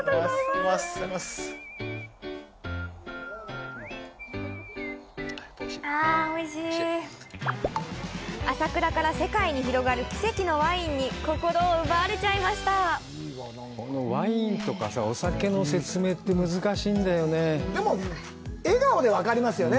おいしいあおいしい朝倉から世界に広がる奇跡のワインに心を奪われちゃいましたこのワインとかお酒の説明って難しいんだよねでも笑顔で分かりますよね